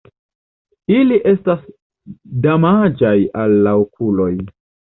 Ili estas damaĝaj al la okuloj.